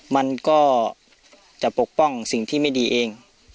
มันก็จะปกป้องสิ่งที่ไม่ดีเอง